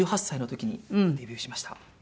１８歳の時にデビューしました。